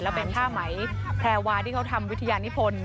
แล้วเป็นผ้าไหมแพรวาที่เขาทำวิทยานิพล